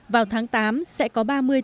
vào tháng tám sẽ có ba mươi tỉnh thành áp dụng